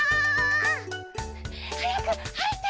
はやくはいって！